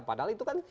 padahal itu kan